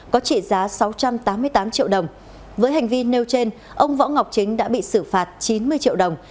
có trị giá sáu trăm tám mươi tám triệu đồng với hành vi nêu trên ông võ ngọc chính đã bị xử phạt chín mươi triệu đồng